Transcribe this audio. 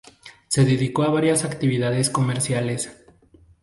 Se dedicó a varias actividades comerciales.